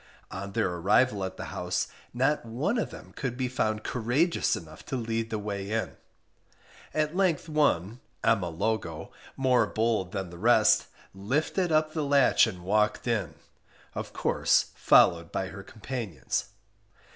On their arrival at the house not one of them could be found courageous enough to lead the way in; at length one (Emma Logo) more bold than the rest lifted up the latch and walked in, of course followed by her companions.